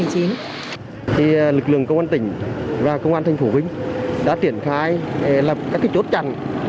thì lực lượng công an tỉnh và công an thành phố vinh đã tiển khai các cái chốt chặn